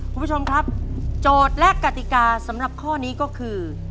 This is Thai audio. คุณผู้ชมครับโจทย์และกติกาสำหรับข้อนี้ก็คือ